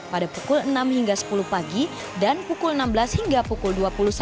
pada pukul enam hingga sepuluh pagi dan pukul enam belas hingga pukul dua puluh satu